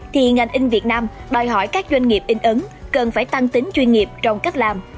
thì ngành in việt nam đòi hỏi các doanh nghiệp in ứng cần phải tăng tính chuyên nghiệp trong cách làm